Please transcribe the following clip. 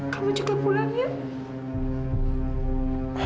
kamu juga pulang ya